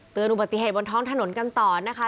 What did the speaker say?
อุบัติเหตุบนท้องถนนกันต่อนะคะ